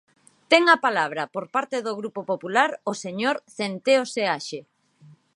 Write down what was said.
Ten a palabra, por parte do Grupo Popular, o señor Centeo Seaxe.